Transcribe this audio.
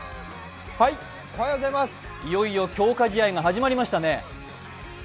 いよいよ強化試合が始まりましたね。